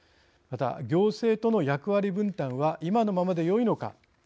また行政との役割分担は今のままでよいのか。